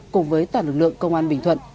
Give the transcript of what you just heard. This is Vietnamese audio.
cùng với toàn lực lượng công an bình thuận